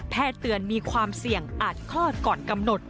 เตือนมีความเสี่ยงอาจคลอดก่อนกำหนด